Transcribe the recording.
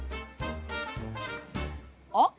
あっ？